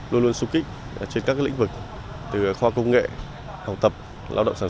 luôn luôn xung kích trên các lĩnh vực từ khoa công nghệ học tập lao động